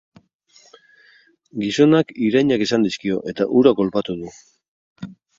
Gizonak irainak esan dizkio, eta hura kolpatu du.